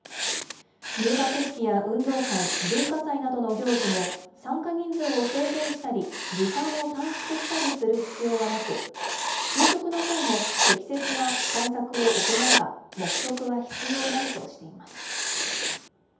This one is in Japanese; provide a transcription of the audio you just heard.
入学式や運動会、文化祭などの行事も参加人数を制限したり、時間を短縮したりする必要はなく、給食の際も適切な対策を行えば、黙食は必要ないとしています。